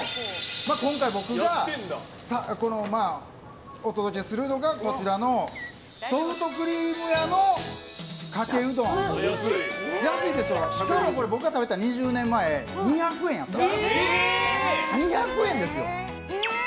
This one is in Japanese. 今回僕が、お届けするのがこちらのソフトクリーム屋のかけうどん。安いでしょ、しかも僕が食べてた２０年前２００円だったんですよ。